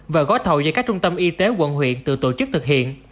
và gói thầu do các trung tâm y tế quận huyện tự tổ chức thực hiện